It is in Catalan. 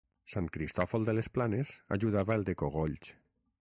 Sant Cristòfol de les Planes ajudava el de Cogolls.